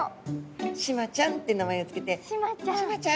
シマちゃんって名前を付けて「シマちゃん」。